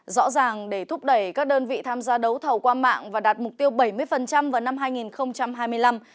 rõ ràng để thúc đẩy các đơn vị tham gia đấu thầu qua mạng và đạt mục tiêu bảy mươi vào năm hai nghìn hai mươi năm